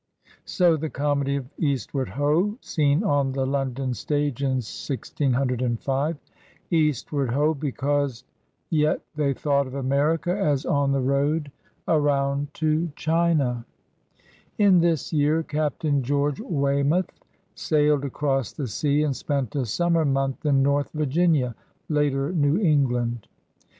*' So the comedy of Eastward Hoi seen on the London stage in 1605 — "'Eastward Ho!'* because yet THE THREE SHIPS SAHi 8 they thought of America as on the road around to China. In this year Captain George Weymouth sailed across the sea and spent a summer month in North Virginia — later. New England.